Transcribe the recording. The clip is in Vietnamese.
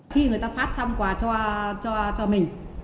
khi người ta phát xong quà cho mình